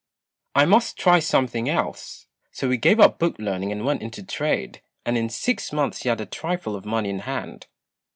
I must try something else." So he gave up book learning and went into trade, and in six months he had a trifle of money in hand.